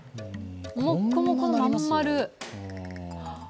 もっこもこの、まん丸。